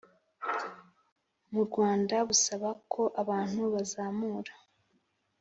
mu Rwanda busaba ko abantu bazamura